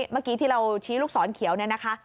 เมื่อกี้ที่เราชี้ลูกศรเขียวเนี่ยนะคะ